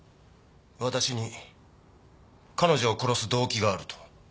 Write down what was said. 私に彼女を殺す動機があると？